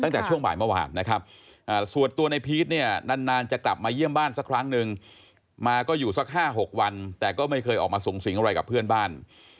ตั้งแต่ช่วงบ่ายเมื่อวานนะครับส่วนตัวในพีชเนี่ยนานจะกลับมาเยี่ยมบ้านสักครั้งนึงมาก็อยู่สัก๕๖วันแต่ก็ไม่เคยออกมาสูงสิงอะไรกับเพื่อนบ้าน